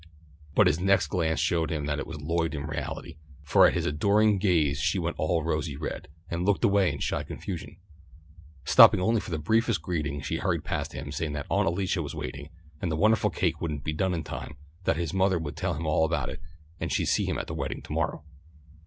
But his next glance showed him that it was Lloyd in reality, for at his adoring gaze she went all rosy red, and looked away in shy confusion. Stopping only for the briefest greeting, she hurried past him, saying that Aunt Alicia was waiting, and the wonderful cake wouldn't be done in time, that his mother would tell him about it, and she'd see him at the wedding to morrow.